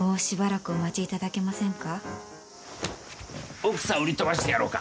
奥さん売り飛ばしてやろうか？